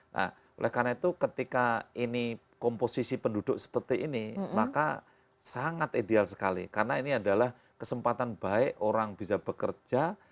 nah oleh karena itu ketika ini komposisi penduduk seperti ini maka sangat ideal sekali karena ini adalah kesempatan baik orang bisa bekerja